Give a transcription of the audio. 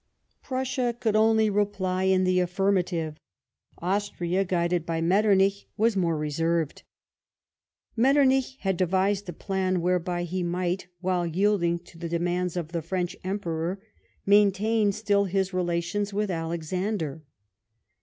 Prussia could only reply in the affirmative. Austria, guided by Metternich, was more reserved. Metternich had devised a plan whereby he might, while yielding to the demands of the French Emperor, maintain still his relations with Alexander.